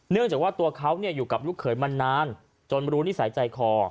จากว่าตัวเขาอยู่กับลูกเขยมานานจนรู้นิสัยใจคอ